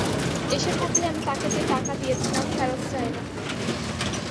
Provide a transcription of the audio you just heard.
এসে থাকলে আমি তাকে যে টাকা দিয়েছিলাম ফেরত চাই না।